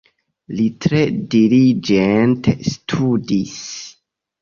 Li tre diligente studis.